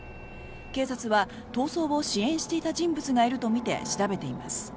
警察は逃走を支援していた人物がいるとみて調べています。